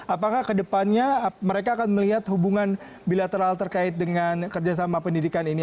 apakah kedepannya mereka akan melihat hubungan bilateral terkait dengan kerjasama pendidikan ini